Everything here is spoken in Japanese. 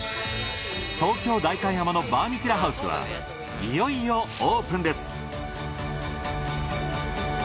東京代官山のバーミキュラハウスはいよいよオープンです。